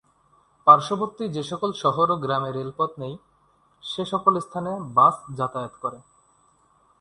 পার্শ্ববর্তী যে সকল শহর ও গ্রামে রেলপথ নেই সে সকল স্থানে বাস যাতায়াত করে।